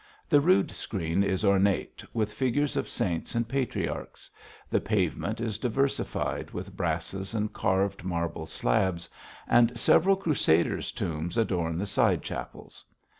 The rood screen is ornate, with figures of saints and patriarchs; the pavement is diversified with brasses and carved marble slabs, and several Crusaders' tombs adorn the side chapels.